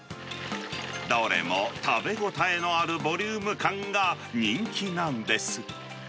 どれも食べ応えのあるボリューム感が人気なんです。